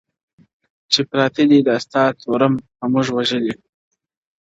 چي پراته دي دا ستا تروم په موږ وژلي -